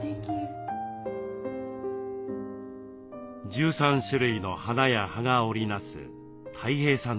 １３種類の花や葉が織り成すたい平さんの生け花。